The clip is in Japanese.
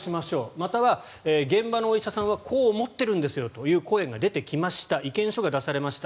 あるいは現場のお医者さんはこう思ってるんですという意見書が出されました。